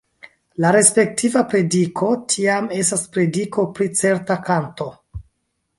La respektiva prediko tiam estas prediko pri certa kanto.